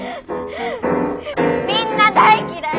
みんな大嫌い！